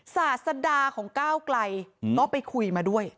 ศาสดาของก้าวไกลก็ไปคุยมาด้วย